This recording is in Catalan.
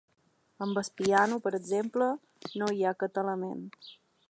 Amb el piano, per exemple, no hi ha aquest element.